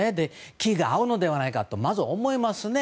気が合うのではないかとまず思いますね。